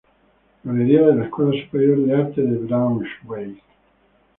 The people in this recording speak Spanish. Galería de la Escuela Superior de Arte de Braunschweig.